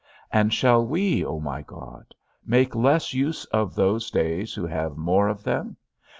And shall we, O my God, make less use of those days who have more of them?